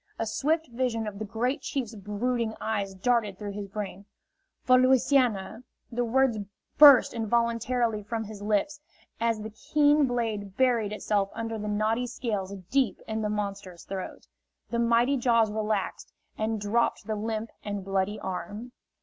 A swift vision of the Great Chief's brooding eyes darted through his brain. "For Louisiana!" The words burst involuntarily from his lips as the keen blade buried itself under the knotty scales deep in the monster's throat. The mighty jaws relaxed and dropped the limp and bloody arm.